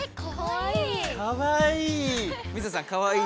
かわいい！